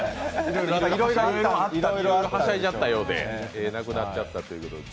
いろいろはしゃいじゃったようで、なくしちゃったようで。